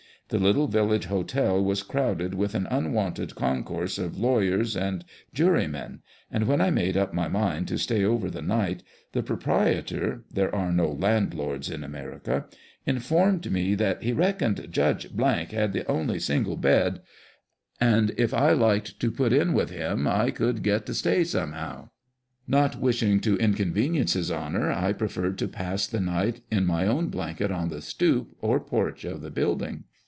The little village hotel was crowded with an unwonted concourse of lawyers and jurymen, and, when I made up my mind to stay over the night, the " proprietor " (there are no landlords in America) informed me that he " reckoned Judge had the only single bed, Charles Diekens.] ALL THE YEAR ROUND. [October 10, 1868.] 431 and if I liked to put in with him, I might get to stay somehow." Not wishing to inconve nience his Honour, I preferred to pass the night in my own blanket, on the "stoup" or porch of the building.